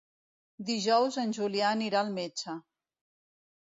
Dijous en Julià anirà al metge.